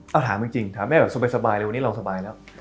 เอาถามจริงถามแม่แบบสบายเลยวันนี้เราสบายแล้ว